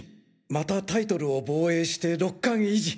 またタイトルを防衛して六冠維持！